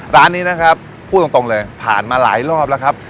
ร้านนี้นะครับพูดตรงเลยผ่านมาหลายรอบแล้วครับ